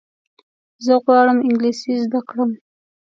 زه غواړم انګلیسي زده کړم.